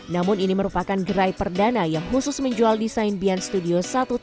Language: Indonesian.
namun ini merupakan gerai perdana yang khusus menjual desain bian studio satu ratus tiga puluh